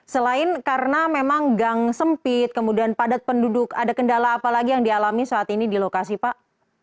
selain karena memang gang sempit kemudian padat penduduk ada kendala apa lagi yang dialami saat ini di lokasi pak